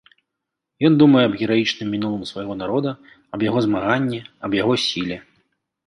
Ён думае аб гераічным мінулым свайго народа, аб яго змаганні, аб яго сіле.